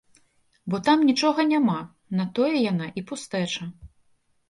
Бо там нічога няма, на тое яна і пустэча.